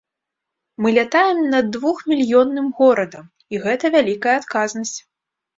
Мы лятаем над двух мільённым горадам, і гэта вялікая адказнасць.